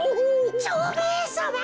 蝶兵衛さま！